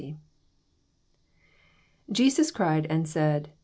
44 JesuB cried and said.